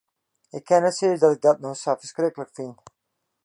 Ik kin net sizze dat ik dat no sa ferskriklik fyn.